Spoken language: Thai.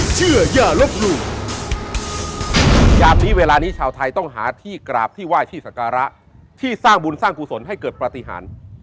จากนี้เวลานี้ชาวไทยต้องหาที่กราบที่ไหว้ที่สังการะที่สร้างบุญสร้างกุศลให้เกิดปฏิหาร